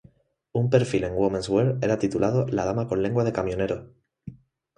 Un perfil en "Women's Wear" era titulado "La dama con lengua de camionero".